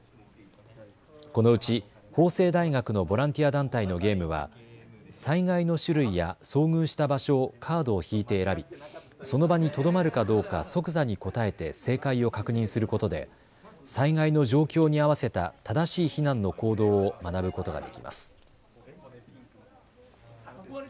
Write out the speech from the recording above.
このうち法政大学のボランティア団体のゲームは災害の種類や遭遇した場所をカードを引いて選び、その場にとどまるかどうか即座に答えて正解を確認することで災害の状況に合わせた正しい避難の行動を学ぶことができます。